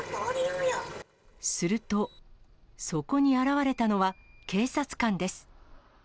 すると、そこに現れたのは、警察官です。